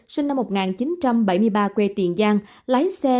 sinh năm một nghìn chín trăm bảy mươi ba quê tiền giang lái xe tải chở dầu